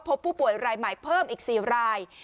พบผู้ป่วยรายใหม่เพิ่มอีก๔ราย